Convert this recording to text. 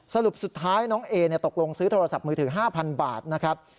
สรุปสุดท้ายน้องเอตกลงซื้อโทรศัพท์มือถือ๕๐๐บาทนะครับ